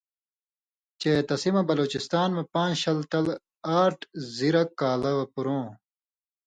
چے تسی مہ بلوچستان مہ پان٘ژ شلہ تل آٹھ زِرہ کالہ پُرؤں ،